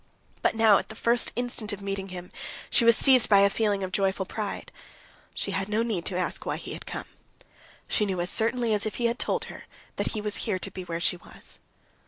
But now at the first instant of meeting him, she was seized by a feeling of joyful pride. She had no need to ask why he had come. She knew as certainly as if he had told her that he was here to be where she was.